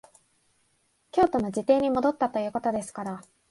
京都の自邸に戻ったということですから、